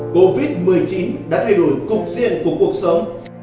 covid một mươi chín đã thay đổi cục diện của cuộc sống